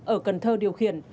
ở cần thơ điều khiển